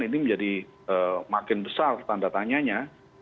ini menjadi makin besar tanda tanyanya